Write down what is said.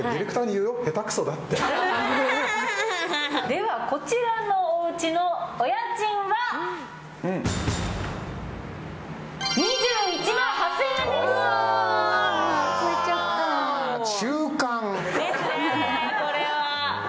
では、こちらのおうちのお家賃は２１万８０００円です。